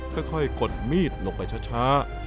ค่อยกดมีดลงไปช้า